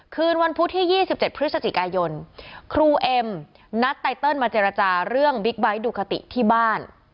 คืนวันพุธที่๒๗พฤศจิกายนครูเอ็มนัดไตเติลมาเจรจาเรื่องบิ๊กไบท์ดูคติที่บ้าน